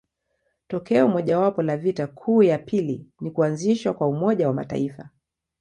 Tokeo mojawapo la vita kuu ya pili ni kuanzishwa kwa Umoja wa Mataifa.